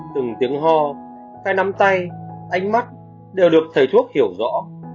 từng tiếng ho hay nắm tay ánh mắt đều được thầy thuốc hiểu rõ